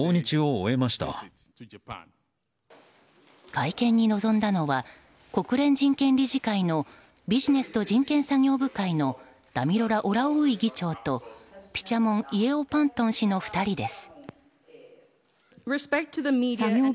会見に臨んだのは国連人権理事会のビジネスと人権作業部会のダミロラ・オラウィ議長とピチャモン・イェオパントン氏の２人です。